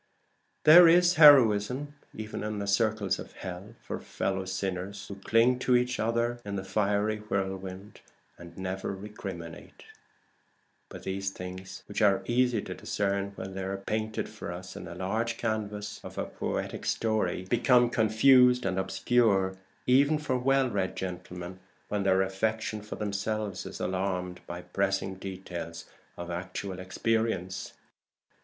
There is heroism even in the circles of hell for fellow sinners who cling to each other in the fiery whirlwind and never recriminate. But these things, which are easy to discern when they are painted for us on the large canvas of poetic story, become confused and obscure even for well read gentlemen when their affection for themselves is alarmed by pressing details of actual experience.